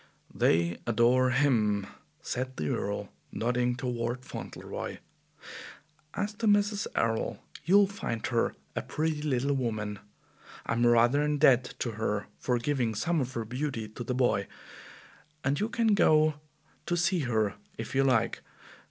"They adore HIM," said the Earl, nodding toward Fauntleroy. "As to Mrs. Errol, you'll find her a pretty little woman. I'm rather in debt to her for giving some of her beauty to the boy, and you can go to see her if you like.